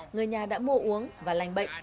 người nhà đã mua uống và lành bệnh